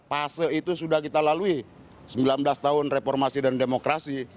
fase itu sudah kita lalui sembilan belas tahun reformasi dan demokrasi